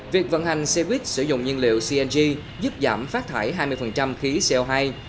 việc vận hành xe buýt sử dụng nhiên liệu cng giúp giảm phát thải hai mươi khí co hai